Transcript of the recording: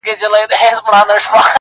د تورو شپو په توره دربه کي به ځان وسوځم~